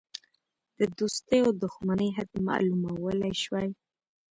د دوستی او دوښمنی حد معلومولی شوای.